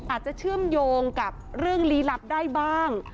อาจจะเชื่อมโยงกับเรื่องลี้ลับได้บ้าง